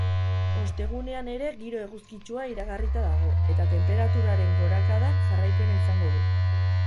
Ostegunean ere giro eguzkitsua iragarrita dago, eta tenperaturaren gorakadak jarraipena izango du.